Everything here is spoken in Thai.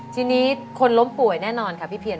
ทีนี้คนล้มป่วยแน่นอนค่ะพี่เพียร